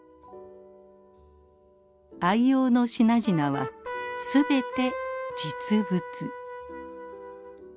愛用の品々はすべて実物。